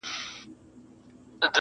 په خپلوي یې عالمونه نازېدله،